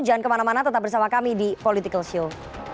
jangan kemana mana tetap bersama kami di political show